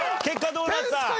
結果どうなった？